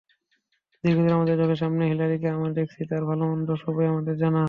দীর্ঘদিন আমাদের চোখের সামনে হিলারিকে আমরা দেখেছি, তাঁর ভালো-মন্দ সবই আমাদের জানা।